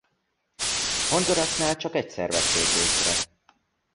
Hondurasnál csak egyszer vették észre.